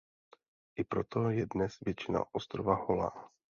I proto je dnes většina ostrova holá.